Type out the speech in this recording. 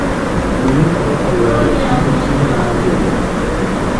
Mùt nik à ɓɔtā ìwaslàk di iɓok di nyɛ lāa ŋgê yǎ.